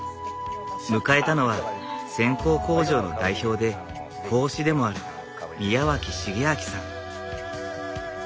迎えたのは線香工場の代表で香司でもある宮脇繁昭さん。